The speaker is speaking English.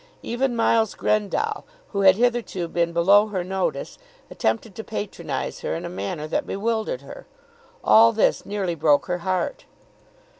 Even Miles Grendall, who had hitherto been below her notice, attempted to patronise her in a manner that bewildered her. All this nearly broke her heart.